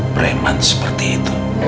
breman seperti itu